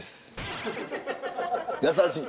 優しい。